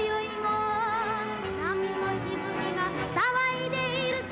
「波のしぶきがさわいでいるぜ」